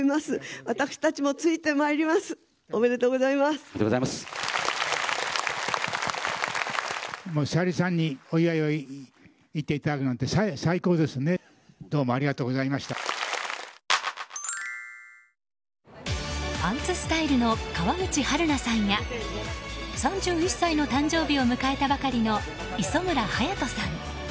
出演者を代表して吉永小百合さんは。パンツスタイルの川口春奈さんや３１歳の誕生日を迎えたばかりの磯村勇斗さん。